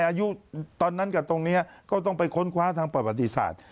อายุตอนนั้นกับตรงนี้ก็ต้องไปค้นคว้าทางประวัติศาสตร์